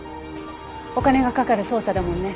お金がかかる捜査だもんね。